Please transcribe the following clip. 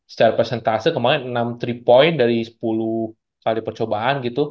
secara persentase kemarin enam tiga point dari sepuluh kali percobaan gitu